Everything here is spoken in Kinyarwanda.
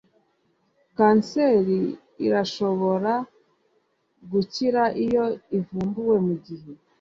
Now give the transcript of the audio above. Kanseri irashobora gukira iyo ivumbuwe mugihe